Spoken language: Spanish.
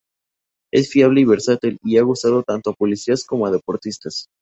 Es fiable y versátil y ha gustado tanto a policías como a deportistas.